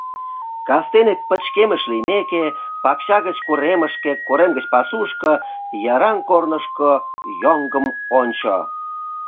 Кастене, пычкемыш лиймеке, пакча гыч коремышке, корем гыч пасушко, Яраҥ корнышко йоҥгым ончо.